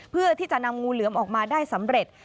เพื่อที่จะนำงูเหลือมออกมาได้สำเร็จ